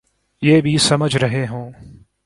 یہ بھی سمجھ رہے ہوں۔